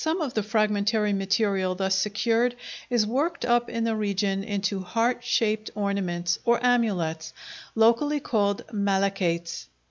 Some of the fragmentary material thus secured is worked up in the region into heart shaped ornaments, or amulets, locally called malacates.